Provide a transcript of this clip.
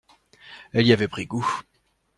Elle y avait pris goût.